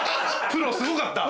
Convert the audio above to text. プロすごかった。